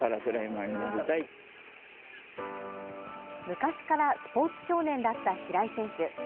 昔からスポーツ少年だった平井選手。